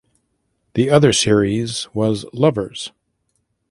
The other series was "lovers".